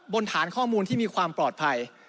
บนฐานข้อมูลที่มีความปลอดภัย